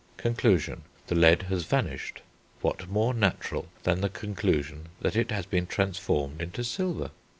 Conclusion. The lead has vanished; what more natural than the conclusion that it has been transformed into silver?